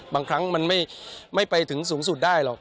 บางครั้งมันไม่ไปถึงสูงสุดได้หรอก